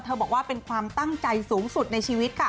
บอกว่าเป็นความตั้งใจสูงสุดในชีวิตค่ะ